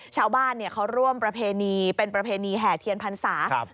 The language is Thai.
ชาวบ้านเขาร่วมประเพณีเป็นประเพณีแห่เทียนพรรษา